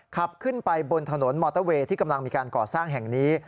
ขับขึ้นไปบนถนนมอเตอร์เวย์ที่กำลังมีการก่อสร้างแห่งนี้